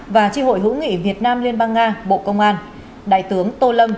và tri hội hữu nghị việt nam liên bang nga bộ công an đại tướng tô lâm